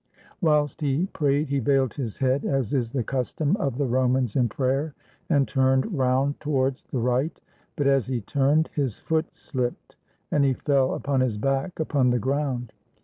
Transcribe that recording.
Whilst he prayed he veiled his head, as is the custom of the Romans in prayer, and turned round towards the right. But as he turned, his foot slipped, and he fell upon his back upon the ground.